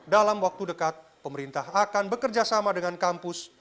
dalam waktu dekat pemerintah akan bekerjasama dengan kampus